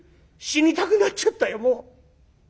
死にたくなっちゃったよ